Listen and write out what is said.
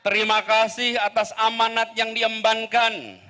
terima kasih atas amanat yang diembankan